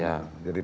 jadi perjalanan itu